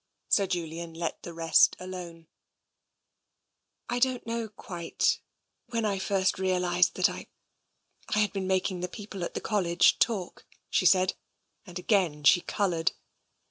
Sir Julian let the rest alone. " I don't know, quite, when I first realised that I — I had been making the people at the College talk," she said, and again she coloured.